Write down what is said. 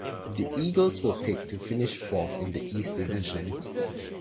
The Eagles were picked to finish fourth in the East Division.